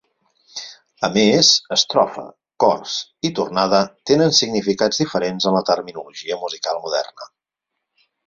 A més, "estrofa", "cors" i "tornada" tenen significats diferents en la terminologia musical moderna.